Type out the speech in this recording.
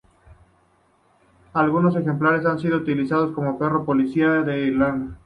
Alguno ejemplares han sido utilizados como perro policía en Irlanda.